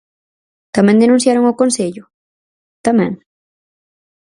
¿Tamén denunciaron o concello?, ¿tamén?